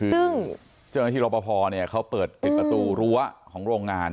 คือเจอกระดูกที่รปภเขาเปิดปิดประตูรั้วของโรงงาน